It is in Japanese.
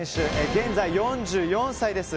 現在、４４歳です。